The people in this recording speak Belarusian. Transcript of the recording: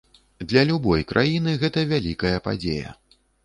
Для любой краіны гэта вялікая падзея.